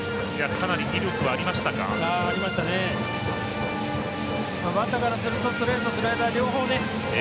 かなり威力はありましたか。